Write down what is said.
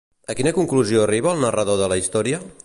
A quina conclusió arriba el narrador de la història?